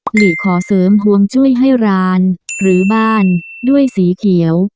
หลีขอเสริมห่วงจุ้ยให้ร้านหรือบ้านด้วยสีเขียว